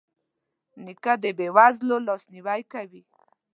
نیکه د بې وزلو لاسنیوی کوي.